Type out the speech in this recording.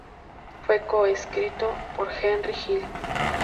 Fue co-escrito por Henry Hill.